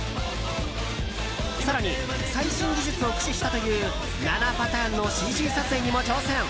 更に、最新技術を駆使したという７パターンのＣＧ撮影にも挑戦。